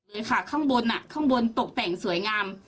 เลยค่ะข้างบนข้างบนตกแต่งสวยงาม